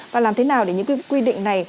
và làm thế nào để những quy định này